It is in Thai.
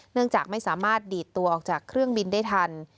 เนื่องจากไม่สามารถดีดตัวออกจากเครื่องบินได้ทัน